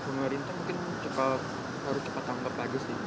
pemerintah mungkin cepat harus cepat tangkap lagi sih